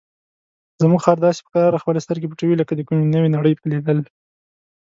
زموږ خر داسې په کراره خپلې سترګې پټوي لکه د کومې نوې نړۍ لیدل.